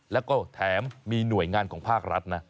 แล้วก็แถมมีหน่วยงานของภาครัฐนะ